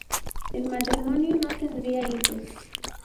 El matrimonio no tendría hijos.